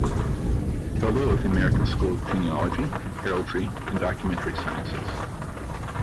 Fellow of the American School of Genealogy, Heraldry and Documentary Sciences.